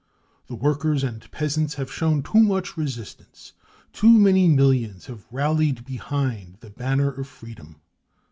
The workers and peasants have shown too much ^resistance ; too many" millions have rallied behind the banner of freedom.